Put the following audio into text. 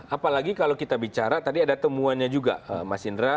apalagi kalau kita bicara tadi ada temuannya juga mas indra